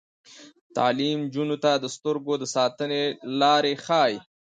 تعلیم نجونو ته د سترګو د ساتنې لارې ښيي.